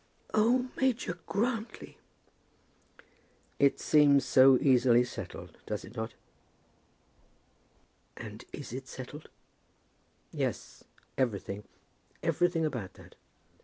"Oh, Major Grantly!" "It seems so easily settled, does it not?" "And is it settled?" "Yes; everything. Everything about that."